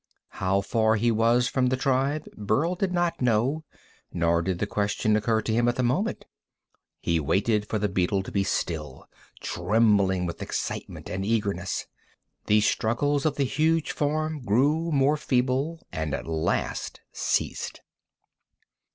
How far he was from the tribe, Burl did not know, nor did the question occur to him at the moment. He waited for the beetle to be still, trembling with excitement and eagerness. The struggles of the huge form grew more feeble, and at last ceased.